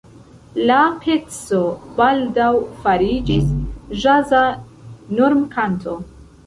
La peco baldaŭ fariĝis ĵaza normkanto.